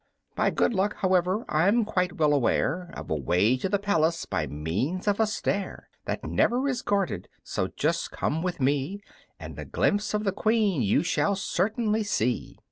"By good luck, however, I'm quite well aware Of a way to the palace by means of a stair That never is guarded; so just come with me, And a glimpse of the Queen you shall certainly see."